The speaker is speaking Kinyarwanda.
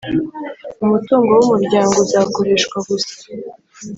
Umutungo w umuryango uzakoreshwa gusa